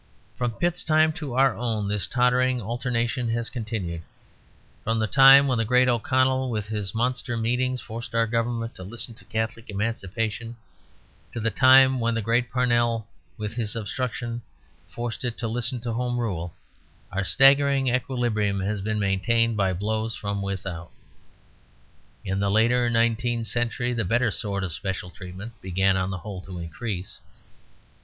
From Pitt's time to our own this tottering alternation has continued; from the time when the great O'Connell, with his monster meetings, forced our government to listen to Catholic Emancipation to the time when the great Parnell, with his obstruction, forced it to listen to Home Rule, our staggering equilibrium has been maintained by blows from without. In the later nineteenth century the better sort of special treatment began on the whole to increase.